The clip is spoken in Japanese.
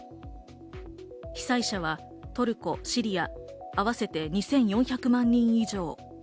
被災者はトルコ、シリア合わせて２４００万人以上。